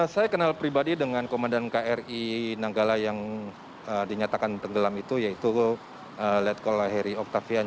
saya kenal pribadi dengan komandan kri nanggala yang dinyatakan tergelam itu yaitu letko lahiri octavian